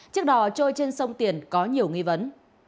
chiếc đò trôi trên sông tiền có nhiều nghi vấn